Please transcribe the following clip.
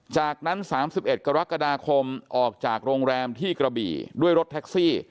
จากนั้น๓๑กรกฎาคมออกจากโรงแรมที่กระบี่ด้วยรถแท็กซี่